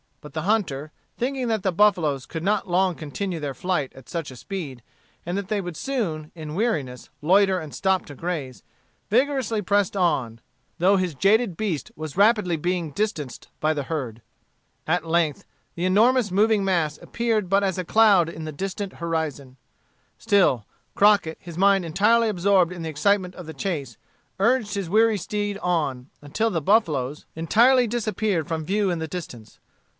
But the hunter, thinking that the buffaloes could not long continue their flight at such a speed, and that they would soon, in weariness, loiter and stop to graze, vigorously pressed on, though his jaded beast was rapidly being distance by the herd. At length the enormous moving mass appeared but as a cloud in the distant horizon. Still, Crockett, his mind entirely absorbed in the excitement of the chase, urged his weary steed on, until the buffalos entirely disappeared from view in the distance.